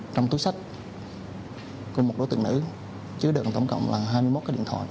trong túi sách của một đối tượng nữ chứa đựng tổng cộng là hai mươi một cái điện thoại